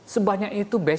sebanyak itu berapa